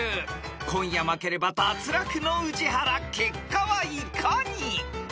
［今夜負ければ脱落の宇治原結果はいかに？］